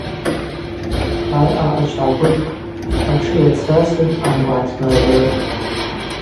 Араъа ачв гӏагвыжвкӏтӏ, атшы йацрасын амгва гӏатнаргӏврытӏ.